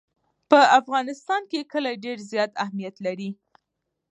په افغانستان کې کلي ډېر زیات اهمیت لري.